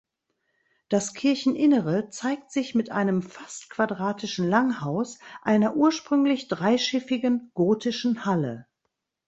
Das Kircheninnere zeigt sich mit einem fast quadratischen Langhaus einer ursprünglich dreischiffigen gotischen Halle.